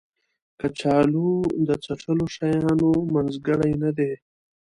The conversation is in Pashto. کچالو د څټلو شیانو منځګړی نه دی